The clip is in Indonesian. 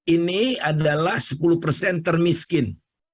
ini adalah sepuluh persen termiskin